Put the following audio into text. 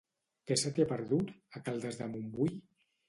Què se t'hi ha perdut, a Caldes de Montbui?